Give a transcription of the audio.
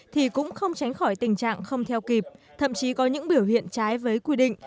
thì cũng không tránh khỏi tình trạng không theo kịp thậm chí có những biểu hiện trái với quy định